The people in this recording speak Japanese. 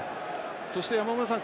そして、山村さん